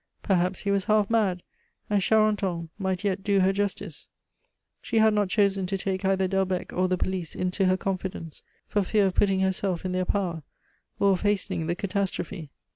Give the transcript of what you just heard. Perhaps he was half mad, and Charenton might yet do her justice. She had not chosen to take either Delbecq or the police into her confidence, for fear of putting herself in their power, or of hastening the catastrophe.